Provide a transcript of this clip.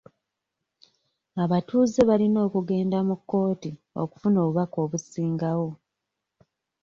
Abatuuze balina okugenda mu kkooti okufuna obubaka obusingawo.